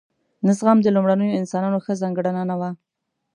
نه زغم د لومړنیو انسانانو ښه ځانګړنه نه وه.